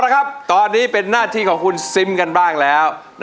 ละครับตอนนี้เป็นหน้าที่ของคุณซิมกันบ้างแล้ว